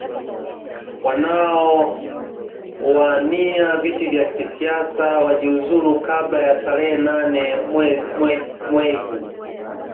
wanaowania viti vya kisiasa kujiunzulu kabla ya tarehe nane mwei huu